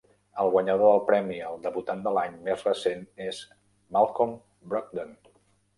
El guanyador del premi al Debutant de l'any més recent és Malcolm Brogdon.